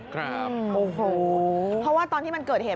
ครับโอ้โหเพราะว่าตอนที่มันเกิดเหตุ